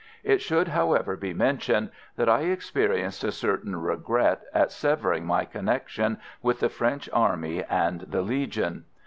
It should, however, be mentioned that I experienced a certain regret at severing my connection with the French army and the Legion.